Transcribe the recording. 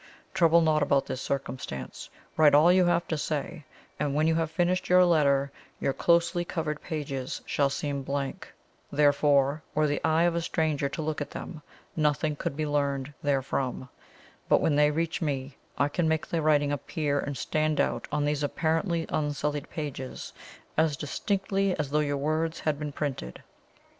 Trouble not about this circumstance write all you have to say, and when you have finished your letter your closely covered pages shall seem blank. Therefore, were the eye of a stranger to look at them, nothing could be learned therefrom. But when they reach me, I can make the writing appear and stand out on these apparently unsullied pages as distinctly as though your words had been printed.